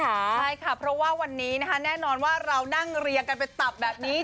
ใช่ค่ะเพราะว่าวันนี้นะคะแน่นอนว่าเรานั่งเรียงกันเป็นตับแบบนี้